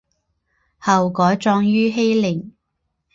后改葬于禧陵。